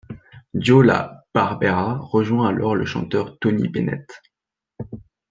Joe La Barbera rejoint alors le chanteur Tony Bennett.